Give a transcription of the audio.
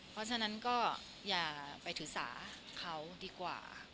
เพราะฉะนั้นก็อย่าไปถือสาเขาดีกว่า